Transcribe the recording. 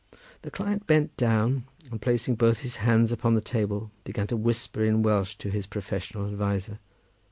The client bent down, and placing both his hands upon the table, began to whisper in Welsh to his professional adviser.